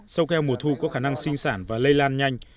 sâu keo mùa thu có khả năng sinh sản và lây lan nhanh